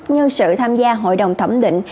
nhân sự tham gia hội đồng thẩm định